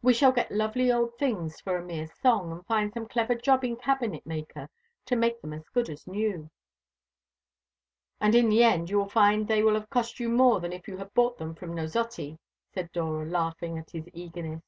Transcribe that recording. We shall get lovely old things for a mere song, and find some clever jobbing cabinet maker to make them as good as new " "And in the end you will find they will have cost you more than if you had bought them from Nosotti," said Dora, laughing at his eagerness.